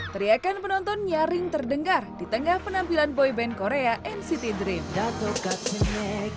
teriakan penonton nyaring terdengar di tengah penampilan boyband korea nct dream dato guardman